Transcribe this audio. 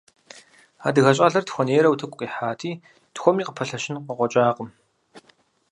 Адыгэ щӀалэр тхуэнейрэ утыку къихьати, тхуэми къыпэлъэщын къыкъуэкӀакъым.